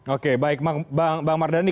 oke baik bang mardhani